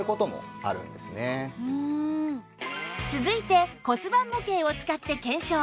続いて骨盤模型を使って検証！